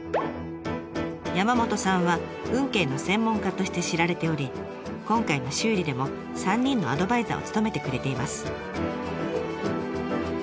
山本さんは運慶の専門家として知られており今回の修理でも３人のアドバイザーを務めてくれています。